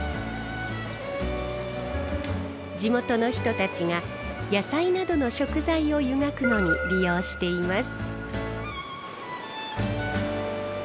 地元の人たちが野菜などの食材を湯がくのに利用しています。